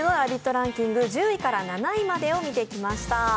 ランキング１０位から７位までを見てきました。